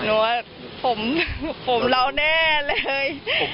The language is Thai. หนูว่าผมเราแน่เลย